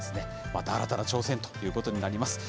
また新たな挑戦ということになります。